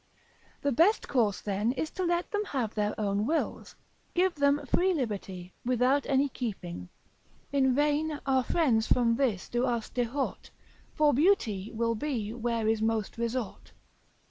The best course then is to let them have their own wills, give them free liberty, without any keeping. In vain our friends from this do us dehort, For beauty will be where is most resort.